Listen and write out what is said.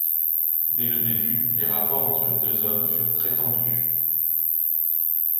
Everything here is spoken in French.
Dès le début, les rapports entre les deux hommes furent très tendus.